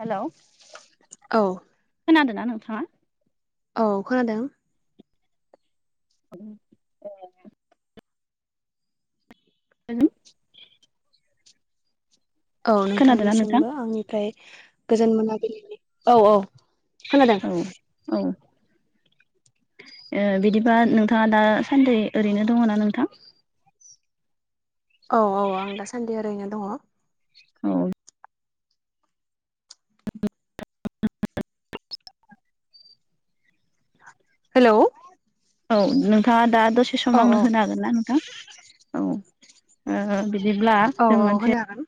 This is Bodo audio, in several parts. हेलौ औ। खोनादों औ खोनादों [inaudible] हेलौ औ खोनादोंना नोंथां? नोंथांनिसिमबो आंनिफ्राय गोजोन मोनाबिलिनि औ औ। खोनादों औ औ। बिदिबा नोंथाङा दासान्दि ओरैनो दङना नोंथां। औ औ आं दासान्दि ओरैनो दङ। [unintelligible] [unintelligible] हेलौ। औ नोंथाङा दा दसे सम औ आंनो औ होनो हागोनना नोंथां औ। बिदिब्ला जों मोनसे होनो हागोन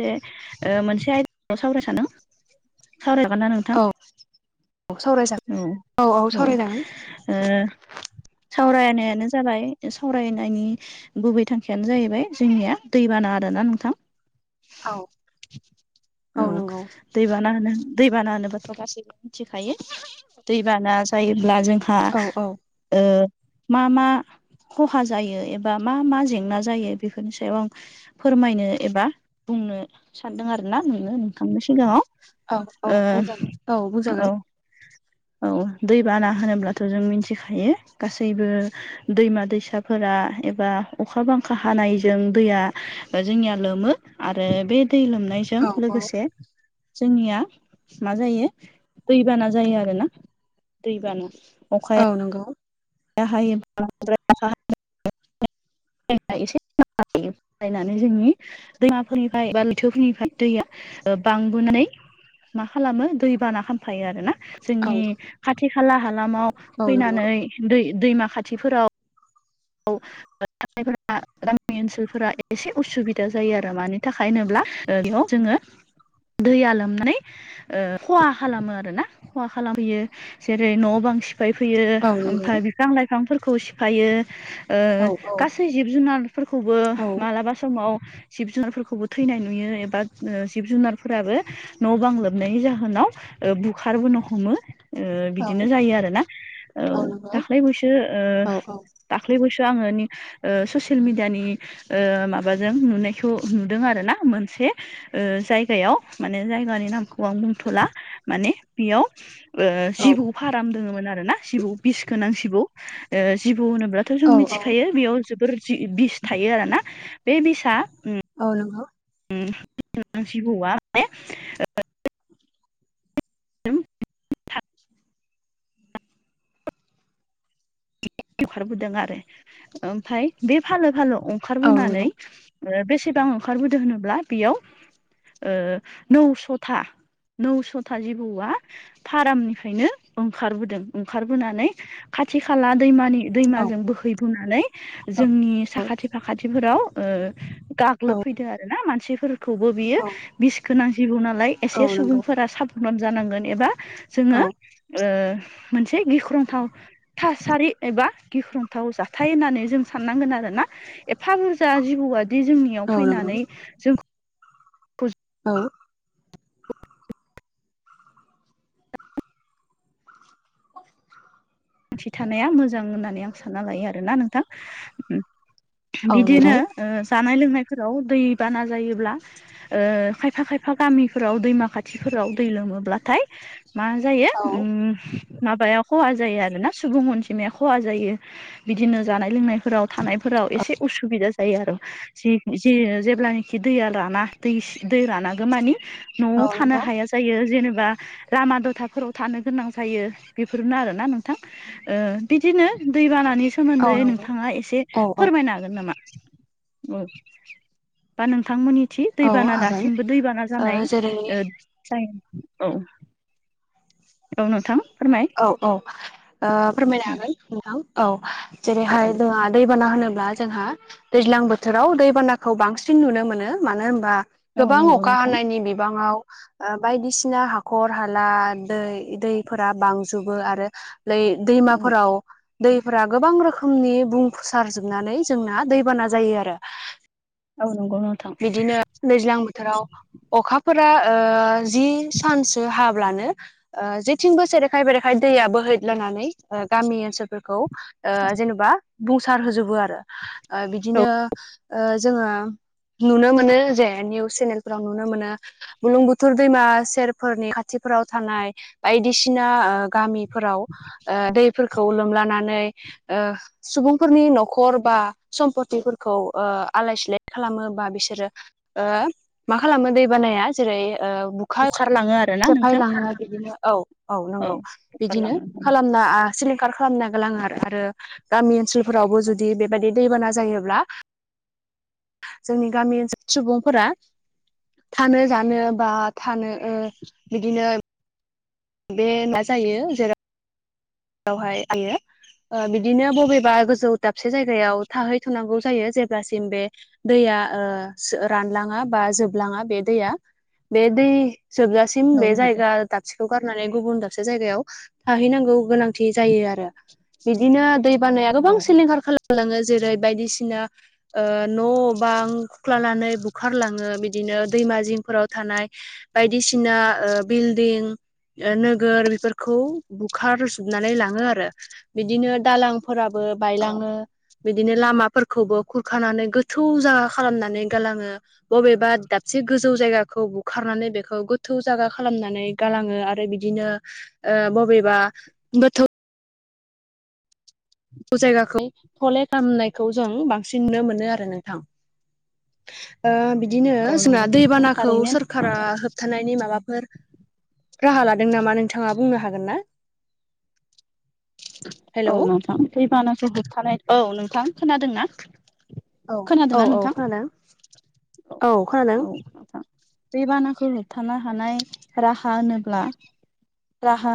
मोनसे मोनसे आयदानि सायाव सावरायनो सानदों सावरायजागोनना नोंथां? औ सावरायजागोन औ औ ओ सावरायनायानो जाबाय सावरायनायनि गुबै थांखियानो जाहैबाय जोंनिया दैबाना आरोना नोंथां। औ औ ओ दैबाना होनो दैबाना होनोबथ' गासैबो मिथिखायो दैबाना जायोब्ला जों हा औ औ ओ मा मा खहा जायो बा एबा मा मा जेंना जायो बेफोरनि सायाव आं फोरमायनो एबा बुंनो सानदों आरोना नों नोंथांनि सिगाङाव औ औ बुंजागोन औ बुंजागोन। औ दैबाना होनोब्लाथ' जों मिथिखायो गासैबो दैमा दैसाफोरा एबा अखा बांखा हानायजों दैया जोंनिया लोमो आरो बे दै लोमनाय जों औ औ लोगोसे जोंनिया मा जायो। दैबाना जायो आरो ना दैबाना अखा औ नंगौ। हायो एसे [unintelligible] [unintelligible] [unintelligible] मा खालामो दैबाना खामफायो आरो ना औ जोंनि खाथि खाला हालामाव औ नंगौ फैनानै दै दैमा खाथिफोराव। औ। थानायफोरा गामि ओनसोलफोरा एसे उसुबिदा जायो आरो मानि थाखाय होनोब्ला बेयाव जोङो दैया लोमनानै खहा खालामो आरो ना खहा खालामहैयो जेरै न' बां सिफाय सिफायफैयो औ नंगौ ओमफफ्राय बिफां लाइफांफोरखौ सिफायो। ओ औ गासै जिब जुनारफोरखौबो औ मालाबा समाव जिब जुनारफोरखौबो थैनाय नुयो एबा जिब जुनारफोराबो न' बां लोमनायनि जाहोनाव बुखारबोनो हमो। ओ औ बिदिनो जायो आरो ना औ दाख्लै बैसो ओ औ औ दाख्लैबोसो आङो ओ ससियेल मिडियानि माबाजों नुनायखौ नुदों आरो ना मोनसे ओ जायगायाव माने जायगानि नामखौ आं बुंथ'ला माने बेयाव औ जिबौ फाराम दोङोमोन आरो ना जिबौ बिस गोनां सिबौ ओ जिबौ होनोब्ला थ' जों औ मिथिखायो बेयाव जोबोर जि बिस थायो आरोना बे बिसआ औ नंगौ जिबौवा माने [unintelligible] ओंखारबोदों आरो ओमफफ्राय बे फालो फालो ओंखार औ नंगौ औ बोनानै ओ बेसेबां ओंखारबोदो होनोब्ला बेयाव ओ नौस'था नौस'था जिबौआ फारामनिफ्रायनो ओंखारबोदों ओंखारबोनानै खाथि खाला दैमानि दैमाजों बोहैबोनानै जोंनि साखाथि फाखाथिफोराव ओ गाग्लोबफैदों आरो ना मानसिफोरखौबो बियो औ बिस गोनां जिबौ नालाय एसे औ नंगौ सुबुंफोरा साब दान जानांगोन एबा जोङो औ ओ मोनसे गिख्रंथाव थासारि एबा गिख्रंथाव जाथाय होननानै जों साननांगोन आरो ना एफा बुरजा जिबौआदि जोंनि औ नंगौ फैनानै जों औ थि थानाया मोजां होननानै आं सानना लायो आरोना नोंथां औ बिदिनो नंगौ जानाय लोंनायफोराव दै बाना जायोब्ला खायफा खायफा गामिफोराव दैमा खाथिफोराव दै लोमोब्लाथाय मा जायो औ माबाया खहा जायो आरोना सुबुं अनजिमाया खहा जायो। बिदिनो जानाय लोंनायफोराव थानायफोराव एसे उसुबिदा जायो आरो। जि जेब्लानाखि दैया राना दै दै रानांगौ मानि औ न'आव थानो नंगौ हाया। जायो जेनेबा लामा दथाफोराव थानो गोनां जायो बेफोरनो आरोना नों नोंथां बिदिनो दैबानानि औ सोमोन्दै नंगौ नोंथाङा एसे औ औ फोरमायना गोन नामा बा नोंथांमोननि थि औ दैबाना हागोन दासिमबो दैबाना ओ जानाय जेरै जायो औ औ नोंथां फोरमाय औ औ फोरमायनो हागोन। औ औ जेरैहाय जोंहा दैबाना होनोब्ला जोंहा दैज्लां बोथोराव दैबानाखौ बांसिन नुनो मोनो मानो होनबा औ गोबां नंगौ अखा नोंथां हानायनि बिबाङाव बायदिसिना हाखर हाला दै दैफोरा बांजोबो आरो बै औ दैमाफोराव दैफोरा गोबां रोखोमनि बुंसार जोबनानै जोंना दैबाना जायो आरो। औ नंगौ बिदिनो दैज्लां बोथोराव अखाफोरा जि सानसो हाब अब्लानो जेथिंबो सेरेखाय बेरेखाय दैआ बोहैदलानानै गामि ओनसोलफोरखौ जेनेबा बुंसार होजोबो आरो। औ बिदिनो जोङो नुनो मोनो जे निउस चेनेल फोराव नुनो मोनो बुलुंबुथुर दैमा सेरफोरनि खाथिफोराव थानाय बायदिसिना गामिफोराव ओ दैफोरखौ लोमलानानै सुबुंफोरनि न'खर बा सम्पतफोरखौ आलाय सिलाय खालामो। बा बिसोरो ओ मा खालामो दैबानाया जेरै ओ बुखा खारलाङो आ सेफाय लाङो बिदिनो औ औ नंगौ बिदिनो बुखारलाङो औ खालामना सिलिंखार खालामना गालाङो आरो आरो गामि ओनसोलफोरावबो जुदि बेबायदि दैबाना जायोब्ला जोंनि गामि ओनसोल सुबुंफोरा थानो जानो बा थानो ओ बिदिनो बे मा [unintelligible] जायो जेराव बेवहाय आयो ओ बिदिनो बबेबा गोजौ दाबसे जायगायाव थाहैथ'नांगौ जायो जेब्लासिम बे दैया ओ रानलाङा बा जोबलाङा बे दैया बे दै जोबजा सिम बे नंगौ जायगा दाबसेखौ गारनानै गुबुन दाबसे जायगायाव थाहैनांगौ गोनां थि जायो आरो बिदिनो दै बानाया औ गोबां सिलिंखार खाला [unintelligible] लाङो जेरै बायदिसिना ओ न' बां खुख्ला लानानै बु खारलाङो बिदिनो दैमा जिंफोराव थानाय बायदिसिना ओ बिल्डिं नोगोर बेफोरखौ बुखार जोबनानै लाङो आरो बिदिनो दालांफोराबो औ बायलाङो बिदिनो लामाफोरखौबो खुरखानानै गोथौ जा खालामनानै गालाङो बबेबा दाबसे गोजौ जायगाखौ बुखारनानै बेखौ गोथौ जायगा खालामनानै गालाङो आरो बिदिनो ओ बबेबा गोथौ जायगाखौ थले खालामामनायखौ जों बांसिन नुनो मोनो आरो नोंथां ओ बिदिनो औ जोंना नंगौ नोंथां दैबानाखौ थारैनो सोरखारा होबथानायनि माबाफोर राहा लादों नामा नोंथाङा बुंनो हागोन ना औ हेलौ नोंथां दैैबानाखौ होबथानाय औ नोंथां खोनादों ना औ औ औ खोनादों औ खोनादों दै बानाखौ होबथानो हानाय राहा होनोब्ला राहा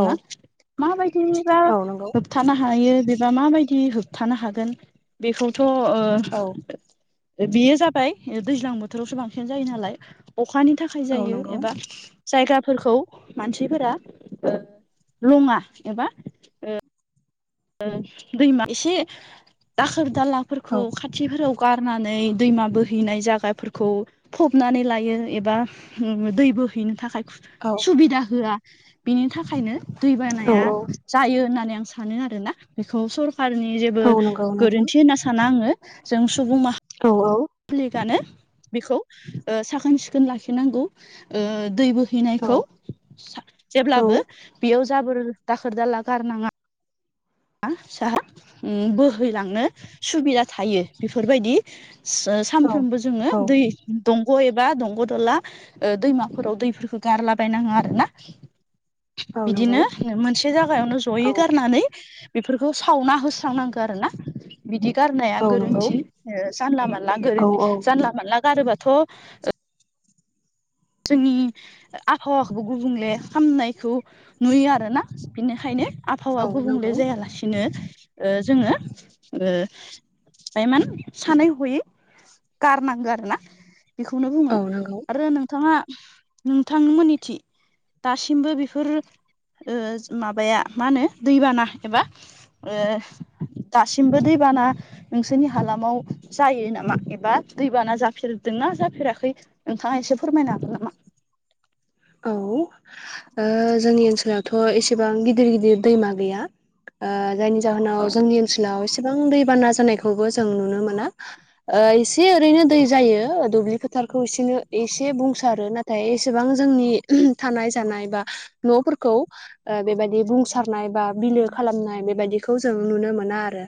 औ [unintelligible] माबादि रा औ नंगौ होबथानो हायो बेबा माबायदि होबथानो हागोन बेखौथ' ओ औ बेयो जाबाय दैज्लां बोथोरावसो बांसिन जायो नालाय अखानि थाखाय औ जायो नंगौ एबा जायगाफोरखौ मानसिफोरा ओ लङा एबा दैमा एसे दाखोर दालाफोरखौ औ खा थिफोराव गारनानै दैमा बोहैनाय जागाफोरखौ फबनानै लायो एबा दै बोहैनो थाखाय औ सुबिदा होआ बिनि थाखायनो दैबानाया औ जायो होननानै आं सानो आरो आरो ना बेखौ सरखारारनि जेबो औ नंगौ नोंथां गोरोन्थि होनना साना आङो जों सुबुं मा औ औ प्लिकनो बेखौ ओ साखोन सिखोन लाखिनांगौ ओ दैबो औ हैनायखौ औ जेब्लाबो बेयाव जाबोर दाखोर दाला गारनाङा सा बोहैलांनो सुबिदा थायो बेफोरबायदि सानफ्रोमबो जोङो औ दै दंग' एबा दंग' दला ओ दैमाफोराव दैफोरखौ गारलाबायनाङा आरो ना औ नंगौ बिदिनो मोनसे जागायावनो औ जयै गारनानै बेफोरखौ सावना होस्रांनांगौ आरो ना बिदि गारनाया औ नंगौ गोरोन्थि जानला मोनानला औ गोरोन जानला मोनला गारोबाथ' जोंनि आबहावाखौबो गुबुंले खामनायखौ नुयो आरोना बिनिखायनो आबहावा औ गुबुंले नंगौ जायालासिनो ओ जोङो ओ मान सानै हयै गारनांगौ आरो ना। बेखौनो बुङो औ नंगौ आरो नोंथाङा नोंथां मोननिथिं दासिमबो बेफोर माबाया मा होनो दैबाना एबा दासिमबो दैबाना नोंसोरनि हालामाव जायो नामा एबा दैबाना जाफेरदोंना जाफेराखै। नोंथाङा एसे फोरमायनो हागोन नामा? औ। जोंनि ओनसोलावथ' एसेबां गिदिर गिदिर दैमा गैया जायनि औ जाहोनाव जोंनि ओनसोलाव एसेबां दैबाना जानायखौबो जों नुनो मोना। आ इसे ओरैनो जायो दुब्लि फोथारखौसे एसे बुंसारो नाथाय एसेबां जोंनि थानाय जानाय बा न'फोरखौ बेबायदि बुंसारनाय बा बिलो खालामनाय बेबायदिखौ जों नुनो मोना आरो।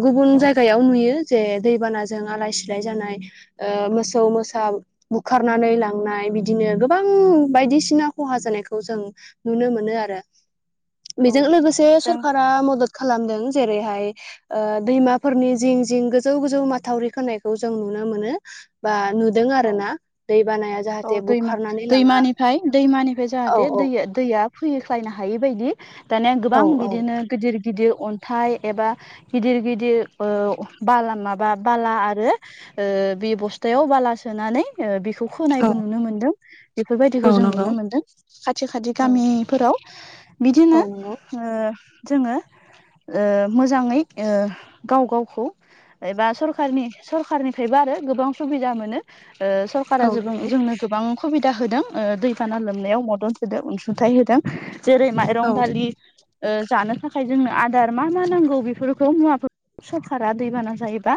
गुबुन औ जायगायाव नुयो जे दैबानाजों आलाय सिलाय जानाय। मोसौ मोसा बुखारनानै लांनाय बिदिनो गोबां बायदिसिना खहा जानायखौ जों नुनो मोनो आरो। औ बेजों लोगोसे जों सरखारा मदद खालामदों जेरैहाय ओ दैमाफोरनि जिं जिं गोजौ गोजौ माथावरि खोनायखौ जों नुनो मोनो। बा नुदों औ आरोना दै बानाया औ जाहाथे बु दैमा दैमानिफ्राय दैमानिफ्राय औ जाहाथे दै दैया फैख्लायनो हायै बायदि दानिया औ गोबां औ बिदिनो गिदिर गिदिर अन्थाइ एबा गिदिर गिदिर ओ बाला माबा बाला आरो। ओ बि बस्थायाव बाला सोनानै ओ बेखौ खोनायबो औ नुनो मोनदों बेफोरबायदिखौ औ जों नंगौ नुनो मोनदों। खाथि खाथि औ गामिफोराव बिदिनो औ नंगौ ओ जोङो ओ मोजाङै ओ गाव गावखौ एबा सरखारनि सरखारनिफ्रायबो आरो गोबां सुबिदा मोनो ओ सरखारा औ जो नंगौ जोंनो गोबां खुबिदा होदों दैबाना लोमनायाव मदद होदों अनसुंथाइ होदों। जेरै माइरं औ दालि ओ जानो थाखाय जोंनो आदार मा मा नांगौ बेफोरखौ मुवा सरखारा दैबाना जायोबा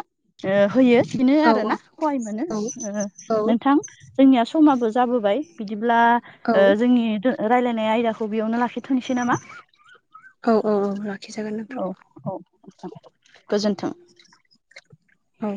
ओ होयो् बिनो औ औ आरो ना सहाय मोनो नों औ नोंथां जोंनिया समाबो जाबोबाय बिदिब्ला ओ औ जोंनि रायलायनाय आयदाखौ बेयावनो लाखिथ'नोसै नामा? औ औ लाखिजागोन नोंथां औ औ गोजोन्थों। औ।